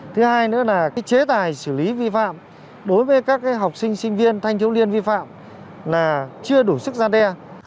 thứ hai nữa là chế tài xử lý vi phạm đối với các học sinh sinh viên thanh thiếu niên vi phạm là chưa đủ sức gian đe